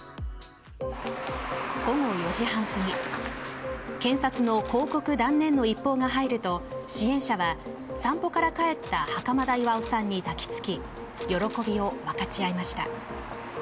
午後４時半すぎ、検察の抗告断念の一報が入ると支援者は散歩から帰った袴田巌さんに抱きつき喜びを分かち合いました。